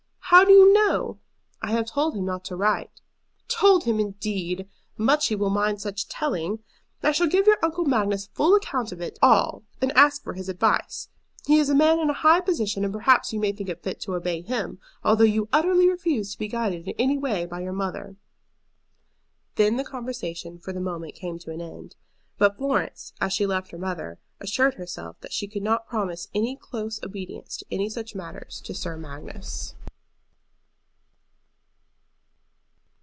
"How do you know?" "I have told him not to write." "Told him, indeed! Much he will mind such telling! I shall give your Uncle Magnus a full account of it all and ask for his advice. He is a man in a high position, and perhaps you may think fit to obey him, although you utterly refuse to be guided in any way by your mother." Then the conversation for the moment came to an end. But Florence, as she left her mother, assured herself that she could not promise any close obedience in any such matters to Sir Magnus.